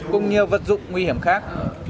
cũng như vật dụng nguy hiểm khác